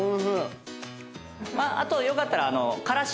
あとよかったら。